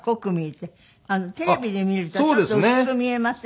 テレビで見るとちょっと薄く見えません？